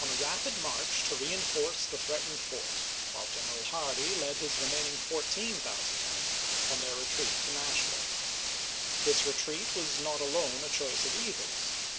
a rapid march to reenforce the threatened fort, while General Hardee led his remaining 14,000 men on their retreat to Nashville. This retreat was not alone a choice of evils.